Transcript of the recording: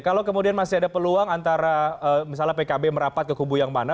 kalau kemudian masih ada peluang antara misalnya pkb merapat ke kubu yang mana